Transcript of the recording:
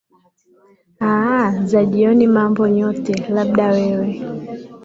aah za jioni mambo nyome labda wewe